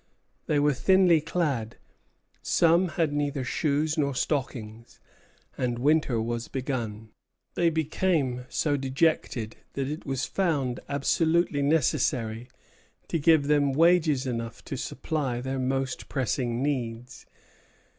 They were thinly clad, some had neither shoes nor stockings, and winter was begun. They became so dejected that it was found absolutely necessary to give them wages enough to supply their most pressing needs.